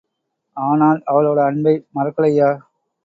ஆனால் அவளோட அன்பை மறக்கலய்யா.